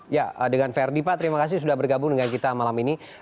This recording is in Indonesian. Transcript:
ya dengan verdi pak terima kasih sudah bergabung dengan kita malam ini